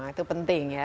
itu penting ya